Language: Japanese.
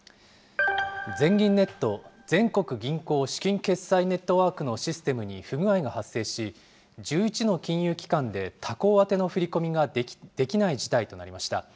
全銀ネット・全国銀行資金決済ネットワークのシステムに不具合が発生し、１１の金融機関で他行宛ての振り込みができない事態となりました。